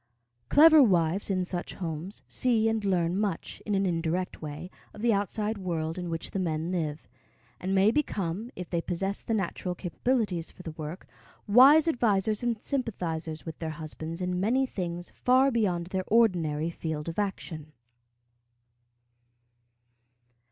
Clever wives in such homes see and learn much, in an indirect way, of the outside world in which the men live; and may become, if they possess the natural capabilities for the work, wise advisers and sympathizers with their husbands in many things far beyond their ordinary field of action.